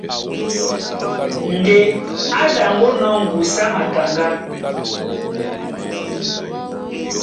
Ndé á ɗaŋgónɔ̄ ŋgusu á mataŋgá,